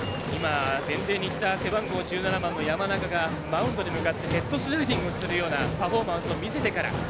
伝令にいった背番号１７番の山中がマウンドに向かってヘッドスライディングをするようなパフォーマンスを見せてから。